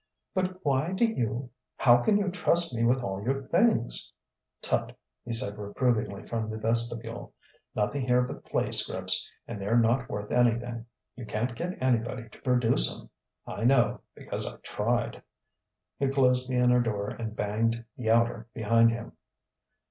"But why do you how can you trust me with all your things?" "Tut!" he said reprovingly from the vestibule "nothing there but play 'scripts, and they're not worth anything. You can't get anybody to produce 'em. I know, because I've tried." He closed the inner door and banged the outer behind him.